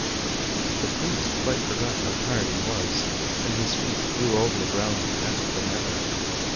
The priest quite forgot how tired he was and his feet flew over the ground faster than ever.